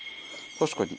確かに。